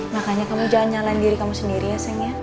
makanya kamu jangan nyalain diri kamu sendiri ya sayangnya